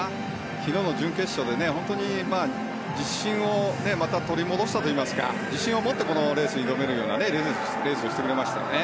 昨日の準決勝で本当に自信を取り戻したといいますか自信を持ってこのレースに臨めるようなレースをしてくれましたね。